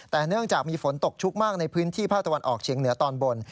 แต่เนื่องจากมีฝนตกชุกมากในพื้นที่ภาคตะวันออกเฉียงเหนือตอนบน